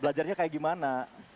belajarnya kayak gimana